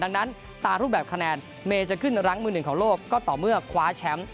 ดังนั้นตามรูปแบบคะแนนเมย์จะขึ้นรั้งมือหนึ่งของโลกก็ต่อเมื่อคว้าแชมป์